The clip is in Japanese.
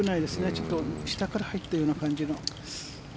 ちょっと下から入ったような感じの。